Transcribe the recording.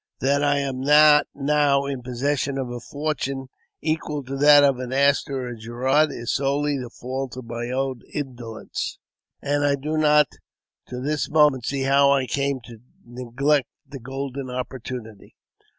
That I am not now in possession of a fortune equal to that of an Astor or a Girard is solely the fault of my own indolence, and I do not to this moment see how I came to neglect the golden opportunity.